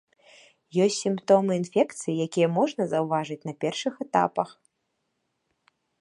Ёсць сімптомы інфекцый, якія можна заўважыць на першых этапах.